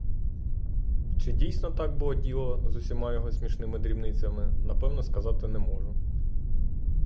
Чи дійсно так було діло з усіма його смішними дрібницями, напевно сказати не можу.